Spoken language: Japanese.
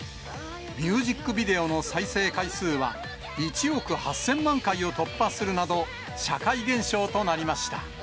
ミュージックビデオの再生回数は１億８０００万回を突破するなど、社会現象となりました。